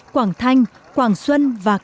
quảng thanh quảng xuân và quảng bình